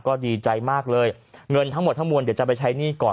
ก็ดีใจมากเลยเงินทั้งหมดทั้งมวลเดี๋ยวจะไปใช้หนี้ก่อน